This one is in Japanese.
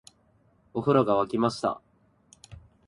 お風呂が湧きました